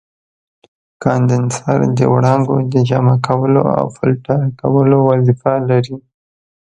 کاندنسر د وړانګو د جمع کولو او فلټر کولو وظیفه لري.